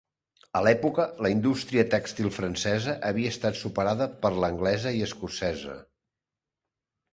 A l'època, la indústria tèxtil francesa havia estat superada per l'anglesa i escocesa.